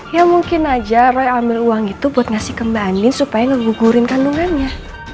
ya mungkin aja roy ambil uang itu buat ngasih ke mbak andin supaya ngebugurin kandungannya